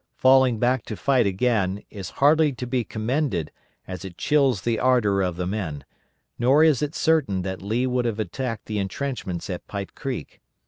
Falling back to fight again, is hardly to be commended, as it chills the ardor of the men; nor is it certain that Lee would have attacked the intrenchments at Pipe Creek.